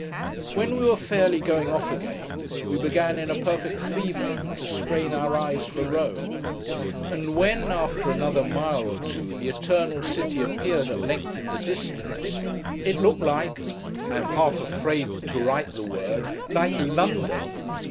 When we were fairly going off again, we began, in a perfect fever, to strain our eyes for Rome; and when, after another mile or two, the Eternal City appeared, at length, in the distance; it looked like—I am half afraid to write the word—like LONDON!!!